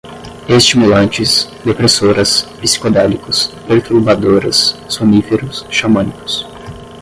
estimulantes, depressoras, psicodélicos, perturbadoras, soníferos, xamânicos